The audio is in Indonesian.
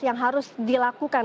yang harus dilakukan